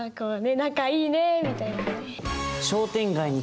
「仲いいね」みたいな。